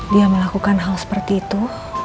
dia melakukan hal seperti itu